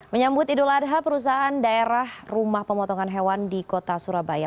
menyambut idul adha perusahaan daerah rumah pemotongan hewan di kota surabaya